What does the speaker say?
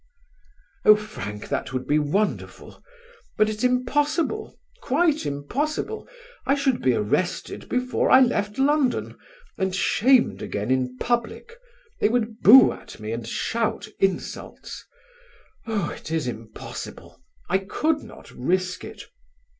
"Oh, Frank, that would be wonderful; but it's impossible, quite impossible. I should be arrested before I left London, and shamed again in public: they would boo at me and shout insults.... Oh, it is impossible; I could not risk it."